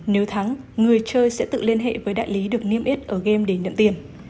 nếu thắng người chơi sẽ tự liên hệ với đại lý được niêm yết ở game để nhận tiền